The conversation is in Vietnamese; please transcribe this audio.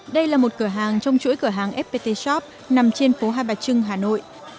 đây là một cửa hàng trong chuỗi cửa hàng fpt shop nằm trên phố hai bà trưng hà nội